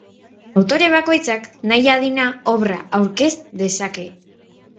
Autore bakoitzak nahi adina obra aurkez dezake.